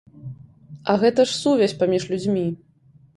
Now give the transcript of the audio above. А гэта ж сувязь паміж людзьмі.